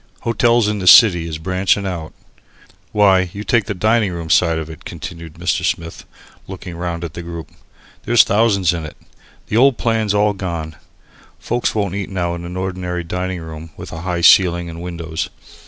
Hotels in the city is branching out. Why, you take the dining room side of it," continued Mr. Smith, looking round at the group, "there's thousands in it. The old plan's all gone. Folks won't eat now in an ordinary dining room with a high ceiling and windows.